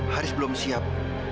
haris belum siap